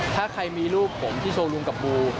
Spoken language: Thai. ถ้าใครมีรูปผมที่โชว์รูมกับบู